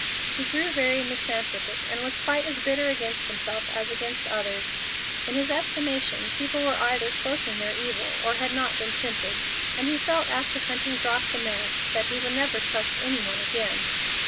He grew very misanthropic, and was quite as bitter against himself as against others. In his estimation people were either cloaking their evil or had not been tempted, and he felt after Hunting dropped the mask that he would never trust any one again.